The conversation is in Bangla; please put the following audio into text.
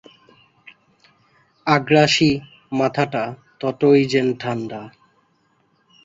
আগ্রাসী, মাথাটা ততটাই যেন ঠান্ডা